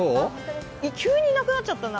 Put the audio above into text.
急にいなくなっちゃったな。